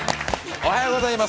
おはようございます。